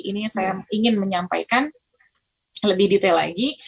ini saya ingin menyampaikan lebih detail lagi